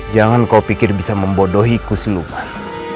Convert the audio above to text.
jangan kau pikir bisa membodohiku seluman